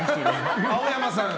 青山さん。